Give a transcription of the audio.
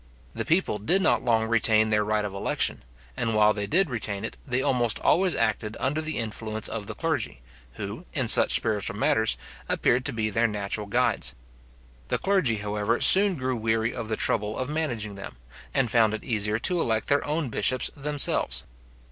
The people did not long retain their right of election; and while they did retain it, they almost always acted under the influence of the clergy, who, in such spiritual matters, appeared to be their natural guides. The clergy, however, soon grew weary of the trouble of managing them, and found it easier to elect their own bishops themselves.